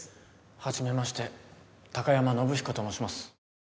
はじめまして貴山伸彦と申します。